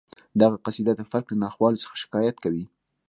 د هغه قصیده د فلک له ناخوالو څخه شکایت کوي